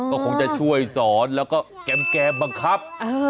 ก็คงจะช่วยสอนแล้วก็แกมบังคับ